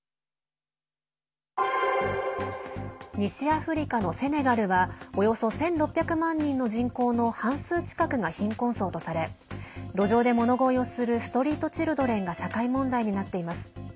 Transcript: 西アフリカのセネガルはおよそ１６００万人の人口の半数近くが貧困層とされ路上で物乞いをするストリート・チルドレンが社会問題になっています。